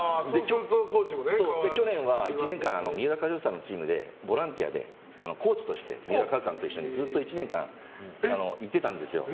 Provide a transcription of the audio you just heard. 去年は１年間、三浦知良さんのチームでボランティアでコーチとしてずっと１年間、行ってたんですよ。